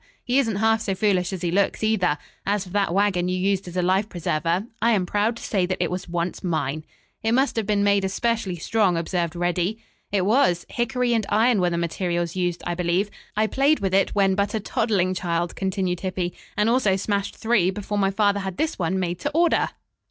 He isn't half so foolish as he looks, either. As for that wagon you used as a life preserver, I am proud to say that it was once mine." "It must have been made especially strong," observed Reddy. "It was. Hickory and iron were the materials used, I believe. I played with it when but a toddling che ild," continued Hippy, "and also smashed three before my father had this one made to order.